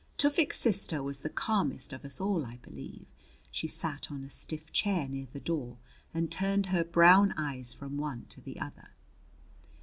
Tufik's sister was the calmest of us all, I believe. She sat on a stiff chair near the door and turned her brown eyes from one to the other.